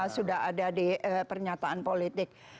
sudah ada di pernyataan politik